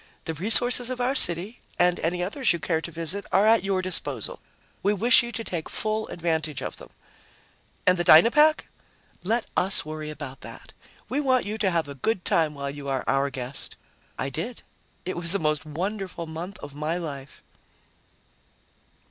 The resources of our city and any others you care to visit are at your disposal. We wish you to take full advantage of them." "And the Dynapack?" "Let us worry about that. We want you to have a good time while you are our guest." I did. It was the most wonderful month of my life.